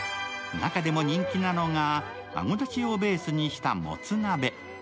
中でも人気なのが、あごだしをベースにしたもつ鍋。